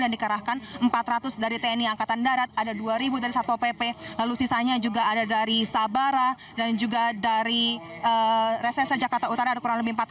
dan dikerahkan empat ratus dari tni angkatan darat ada dua ribu dari satpo pp lalu sisanya juga ada dari sabara dan juga dari reserse jakarta utara ada kurang lebih empat ratus